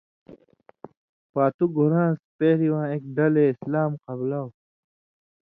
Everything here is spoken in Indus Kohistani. پاتُو گُھران٘س پېریۡ واں اېک ڈلے اِسلام قبلاؤ۔